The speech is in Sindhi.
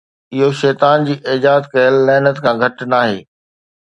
اهو شيطان جي ايجاد ڪيل لعنت کان گهٽ ناهي.